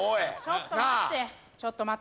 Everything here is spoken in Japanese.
ちょっと待って。